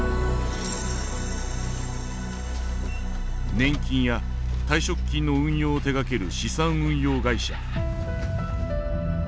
年金や退職金の運用を手がける資産運用会社。